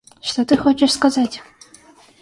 Что ты хочешь сказать?